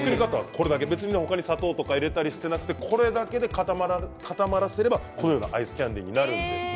他に砂糖とか入れたりしてなくてこれだけで、固まらせればアイスキャンディーになるんです。